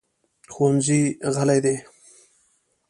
ښوونځی غلی دی.